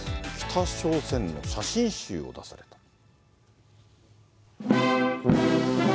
北朝鮮の写真集を出された。